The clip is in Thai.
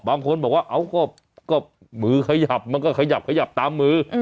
บางคนบอกว่าเอาก็มือขยับมันก็ขยับขยับตามมือ